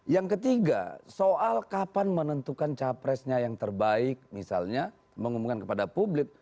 yang ketiga soal kapan menentukan capresnya yang terbaik misalnya mengumumkan kepada publik